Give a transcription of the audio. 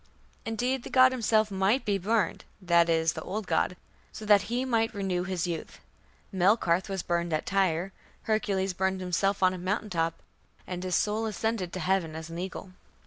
Indeed the god himself might be burned (that is, the old god), so that he might renew his youth. Melkarth was burned at Tyre. Hercules burned himself on a mountain top, and his soul ascended to heaven as an eagle.